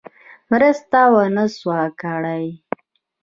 مرسته ونه سوه کړای.